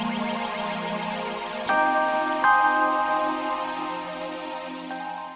saya keluar pak